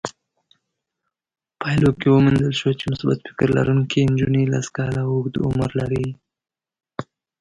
پايلو کې وموندل شوه چې مثبت فکر لرونکې نجونې لس کاله اوږد عمر لري.